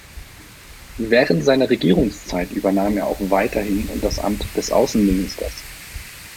Während seiner Regierungszeit übernahm er auch weiterhin das Amt des Außenministers.